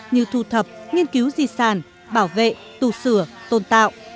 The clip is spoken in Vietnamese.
như thu thập nghiên cứu di sản bảo vệ tù sửa tôn tạo